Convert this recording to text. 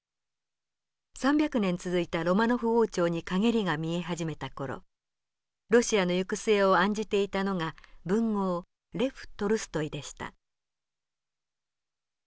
３００年続いたロマノフ王朝に陰りが見え始めた頃ロシアの行く末を案じていたのが文豪レフ・トルストイでした。